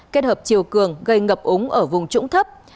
kết hợp chiều cường gây ngập úng ở vùng trũng thấp